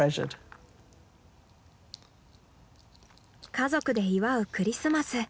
家族で祝うクリスマス。